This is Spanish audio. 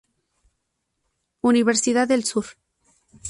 Universidad del Sur.